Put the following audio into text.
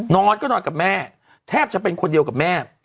นอนก็นอนกับแม่แทบจะเป็นคนเดียวกับแม่